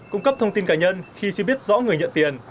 cung cấp thông tin cá nhân khi chưa biết rõ người nhận tiền